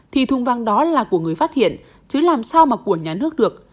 thì thùng vàng đó là của người phát hiện chứ làm sao mà của nhà nước được